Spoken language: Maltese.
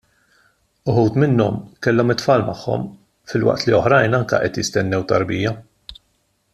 Uħud minnhom kellhom it-tfal magħhom filwaqt li oħrajn anke qed jistennew tarbija.